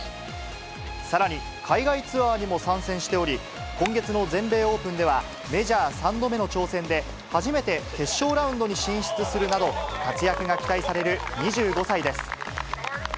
さらに海外ツアーにも参戦しており、今月の全米オープンでは、メジャー３度目の挑戦で、初めて決勝ラウンドに進出するなど、活躍が期待される２５歳です。